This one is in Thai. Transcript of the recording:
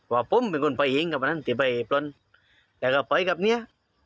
ว่าผมไปกันไปพลังแต่เอาไหมกับเนี่ย